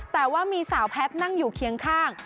แต่ว่ามีสาวแพทย์นั่งอยู่เคียงข้าง